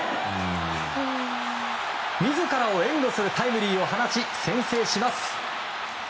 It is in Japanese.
自らを援護するタイムリーを放ち先制します。